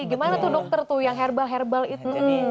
gimana tuh dokter tuh yang herbal herbal itu